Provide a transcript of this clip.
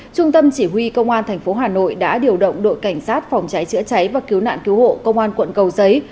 trung tâm chỉ huy công an tp hà nội đã điều động đội cảnh sát phòng cháy chữa cháy và cứu nạn cứu hộ công an quận cầu giấy